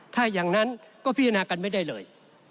ถ้าอย่างนั้นก็พิจารณากันไม่ได้เลย